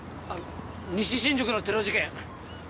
西新宿のテロ事件。